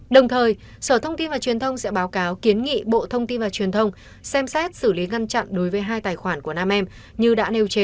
đồng thời sở thông tin và truyền thông sẽ báo cáo kiến nghị bộ thông tin và truyền thông xem xét xử lý ngăn chặn đối với hai tài khoản của nam em như đã nêu trên